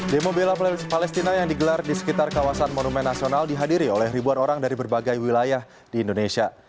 demo bela palestina yang digelar di sekitar kawasan monumen nasional dihadiri oleh ribuan orang dari berbagai wilayah di indonesia